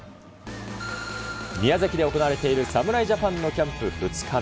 宮崎で行われている侍ジャパンのキャンプ２日目。